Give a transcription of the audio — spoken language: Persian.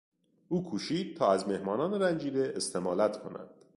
او کوشید تا از مهمانان رنجیده استمالت کند.